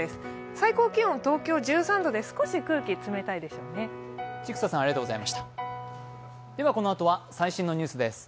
最高気温、東京は１３度、少し空気が冷たいですね。